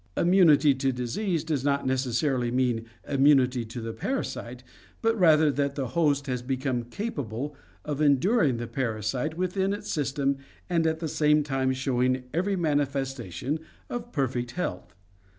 Immunity to disease does not necessarily mean immunity to the parasite, but rather that the host has become capable of enduring the parasite within its system and at the same time showing every manifestation of perfect health.